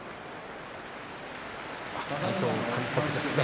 齋藤監督ですね